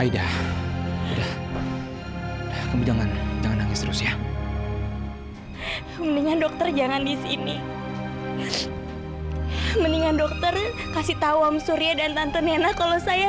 sampai jumpa di video selanjutnya